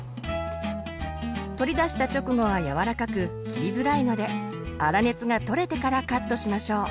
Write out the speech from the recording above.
取り出した直後は柔らかく切りづらいので粗熱がとれてからカットしましょう。